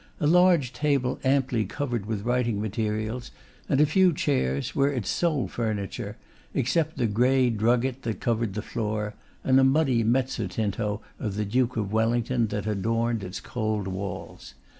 A large table amply covered with writing materials, and a few chairs, were its sole furniture, except the grey drugget that covered the floor, and a muddy mezzotinto of the Duke of Wellington that adorned its cold walls.